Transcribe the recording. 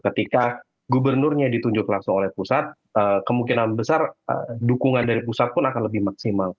ketika gubernurnya ditunjuk langsung oleh pusat kemungkinan besar dukungan dari pusat pun akan lebih maksimal